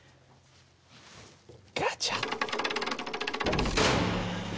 ガチャッ。